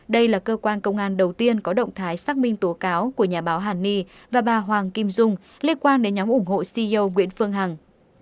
đây là cơ quan công an đầu tiên có động thái xác minh tố cáo của nhà báo hàn ni và bà hoàng kim dung liên quan đến nhóm ủng hộ ceo nguyễn phương hằng